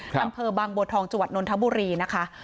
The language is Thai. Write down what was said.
อำเภอบางบัวทองจังหวัดนนทบุรีนะคะ